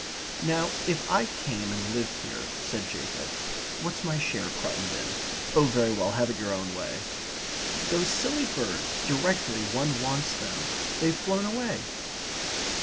"Now if I came and lived here " said Jacob. "What's my share, Cruttendon? Oh, very well. Have it your own way. Those silly birds, directly one wants them they've flown away."